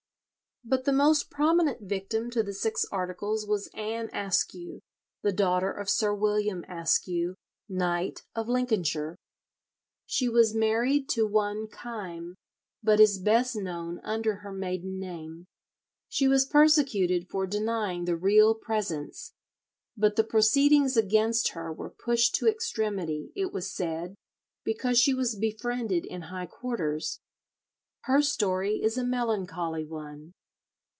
But the most prominent victim to the Six Articles was Anne Askew, the daughter of Sir William Askew, knight, of Lincolnshire. She was married to one Kyme, but is best known under her maiden name. She was persecuted for denying the Real Presence, but the proceedings against her were pushed to extremity, it was said, because she was befriended in high quarters. Her story is a melancholly one.